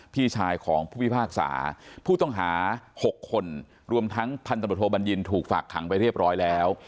พี่ชายของผู้พิพากษาผู้ต้องหา๖คนรวมทั้งพันตำรวจโทบัญญินถูกฝากขังไปเรียบร้อยแล้ว